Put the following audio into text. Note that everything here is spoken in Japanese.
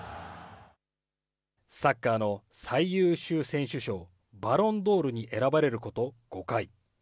サッカーの最優秀選手賞、バロンドールに選ばれること５回。